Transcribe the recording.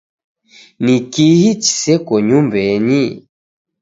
Ni kihi chiseko nyumbenyi?